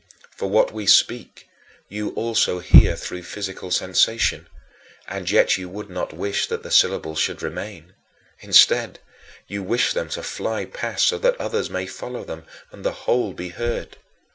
For what we speak, you also hear through physical sensation, and yet you would not wish that the syllables should remain. Instead, you wish them to fly past so that others may follow them, and the whole be heard.